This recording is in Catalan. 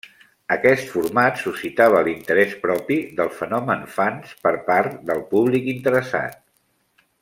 Aquest format suscitava l'interès propi del fenomen fans per part del públic interessat.